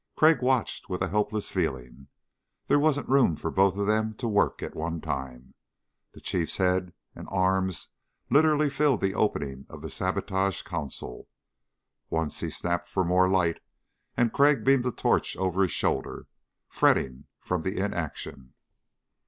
Crag watched with a helpless feeling. There wasn't room for both of them to work at one time. The Chief's head and arms literally filled the opening of the sabotaged console. Once he snapped for more light and Crag beamed a torch over his shoulder, fretting from the inaction.